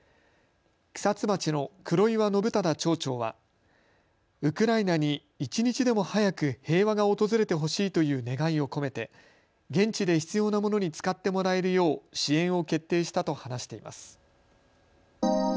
草津町の黒岩信忠町長はウクライナに一日でも早く平和が訪れてほしいという願いを込めて現地で必要なものに使ってもらえるよう支援を決定したと話しています。